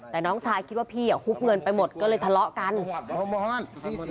แต่น้องชายคิดว่าพี่ฮุบเงินไปหมดก็เลยทะเลาะกัน